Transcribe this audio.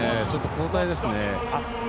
交代ですね。